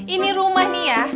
ini rumah nih ya